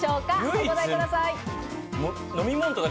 お答えください。